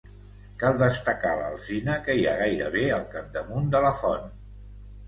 Cal destacar l'alzina que hi ha gairebé al capdamunt de la font.